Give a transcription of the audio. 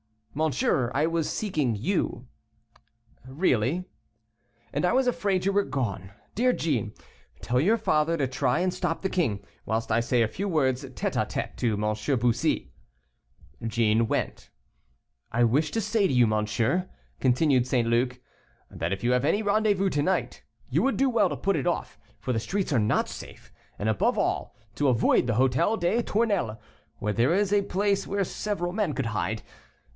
"Monsieur, I was seeking you." "Really." "And I was afraid you were gone. Dear Jeanne, tell your father to try and stop the king, whilst I say a few words tête à tête to M. Bussy." Jeanne went. "I wish to say to you, monsieur," continued St. Luc, "that if you have any rendezvous to night, you would do well to put it off, for the streets are not safe, and, above all, to avoid the Hôtel des Tournelles, where there is a place where several men could hide.